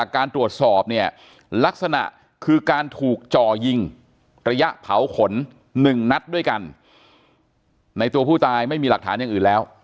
กระยะเผาขนหนึ่งนัดด้วยกันในตัวผู้ตายไม่มีหลักฐานอย่างอื่นแล้ว